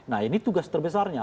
nah ini tugas terbesarnya